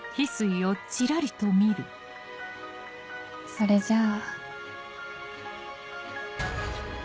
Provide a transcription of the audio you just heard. それじゃあ。